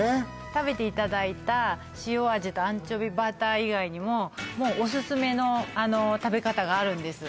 食べていただいた塩味とアンチョビバター以外にもオススメの食べ方があるんです